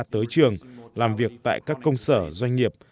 tới trường làm việc tại các công sở doanh nghiệp